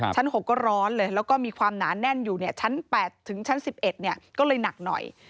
ชั้น๖ก็ร้อนเลยแล้วก็มีความหนาแน่นอยู่ชั้น๘ถึงชั้น๑๑ก็เลยหนักหน่อย